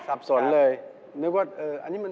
สับสนเลยนึกว่าอันนี้มันแพงกว่า